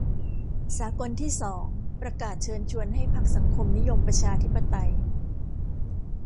สากลที่สองประกาศเชิญชวนให้พรรคสังคมนิยมประชาธิปไตย